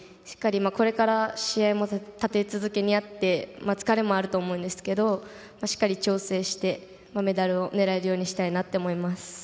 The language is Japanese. これから試合も立て続けにあって疲れもあると思うんですけどしっかり調整してメダルを狙えるようにしたいなと思います。